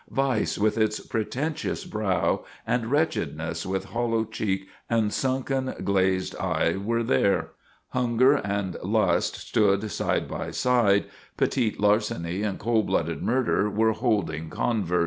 Vice, with its pretentious brow, and wretchedness, with hollow cheek and sunken, glazed eye, were there; hunger and lust stood side by side, petit larceny and cold blooded murder were holding converse."